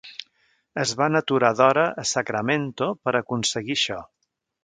Es van aturar d'hora a Sacramento per aconseguir això.